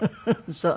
そう。